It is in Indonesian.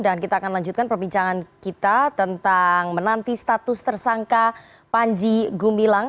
dan kita akan lanjutkan perbincangan kita tentang menanti status tersangka panji gumilang